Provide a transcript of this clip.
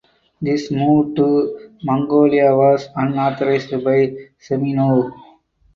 This move to Mongolia was unauthorized by Semenov.